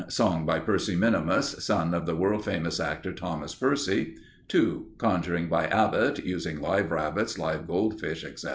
Song by Percy Minimus (son of the world famous actor, Thomas Percy). 2. Conjuring by Abbott (using live rabbits, live goldfish, etc.). 3.